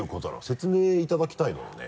説明いただきたいのよね。